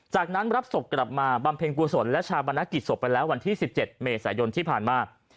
จากนั้นรับศพกลับมาบำเพ็ญกุศลและชาปนกิจศพไปแล้ววันที่๑๗เมษายนที่ผ่านมา